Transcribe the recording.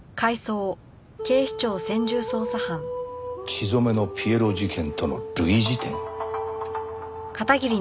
血染めのピエロ事件との類似点？